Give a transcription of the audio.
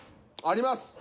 「あります」。